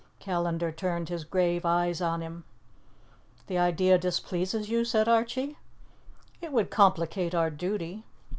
Callandar turned his grave eyes on him. "The idea displeases you?" said Archie. "It would complicate our duty."